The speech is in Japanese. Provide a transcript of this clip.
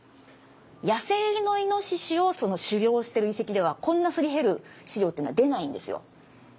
野生のイノシシを狩猟している遺跡ではこんなすり減る資料っていうのは出ないんですよ。